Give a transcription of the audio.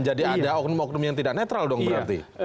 jadi ada oknum oknum yang tidak netral dong berarti